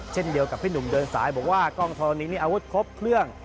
เช่นเดียวกับพี่หนุ่มเดินสายบอกว่ากล้องธรณีนี่อาวุธครบเครื่อง